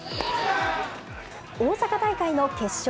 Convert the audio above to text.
大阪大会の決勝。